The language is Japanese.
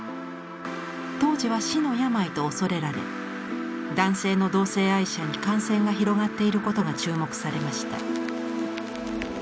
当時は「死の病」と恐れられ男性の同性愛者に感染が広がっていることが注目されました。